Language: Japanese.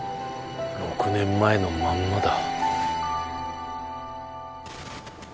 ６年前のまんまだ。